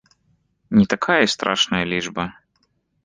Не такая і страшная лічба.